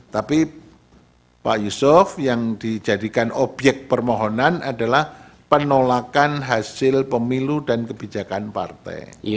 tapi pak yusuf yang dijadikan obyek permohonan adalah penolakan hasil pemilu dan kebijakan partai